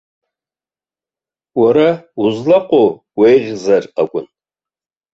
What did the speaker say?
Уара узлаҟоу уеиӷьзар акәын!